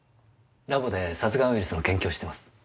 ラボで殺癌ウイルスの研究をしてます。